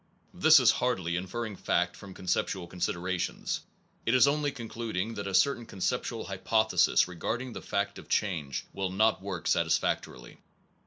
This is hardly inferring fact from conceptual considerations, it is only concluding that a certain conceptual hypothesis regarding the fact of change will not work satisfactorily.